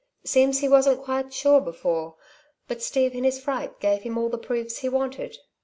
Seems he wasn't quite sure before, but Steve in his fright gave him all the proofs he wanted.